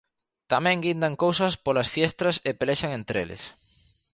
Tamén guindan cousas polas fiestras e pelexan entre eles.